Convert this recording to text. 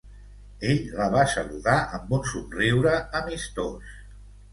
Ell la va saludar amb un somriure amistós.